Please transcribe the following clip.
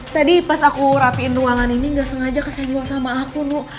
tadi pas aku rapiin ruangan ini gak sengaja kesini sama aku bu